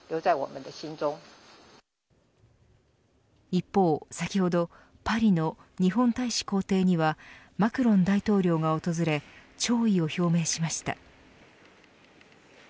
一方、先ほどパリの日本大使公邸にはマクロン大統領が訪れ弔意を表明しました。